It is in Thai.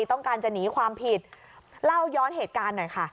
ต้องการจะหนีความผิดเล่าย้อนเหตุการณ์หน่อยค่ะ